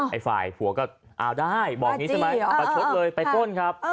ไอ้ฝ่ายผัวก็อ้าวได้บอกงี้ซะมั้ยประชดเลยไปป้นครับ